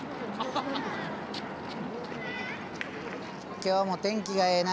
今日も天気がええな